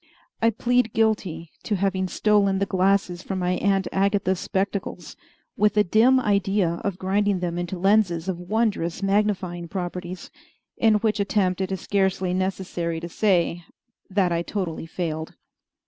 I plead guilty to having stolen the glasses from my Aunt Agatha's spectacles, with a dim idea of grinding them into lenses of wondrous magnifying properties in which attempt it is scarcely necessary to say that I totally failed.